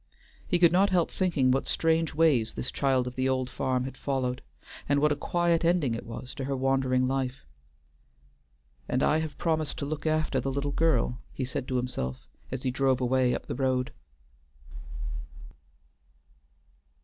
He could not help thinking what strange ways this child of the old farm had followed, and what a quiet ending it was to her wandering life. "And I have promised to look after the little girl," he said to himself as he drove away up the road.